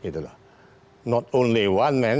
tidak hanya satu manajemen